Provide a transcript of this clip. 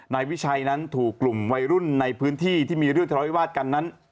นายวิชัยนั้นถูกกลุ่มวัยรุ่นในพื้นที่ที่มีเรื่องทะเลาวิวาสกันนั้น